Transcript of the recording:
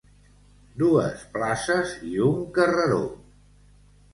Dues places i un carreró.